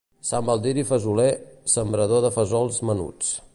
Sant Baldiri fesoler, sembrador de fesols menuts.